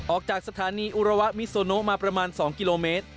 ออกจากสถานีอุระวะมิโซโนมาประมาณ๒กิโลเมตร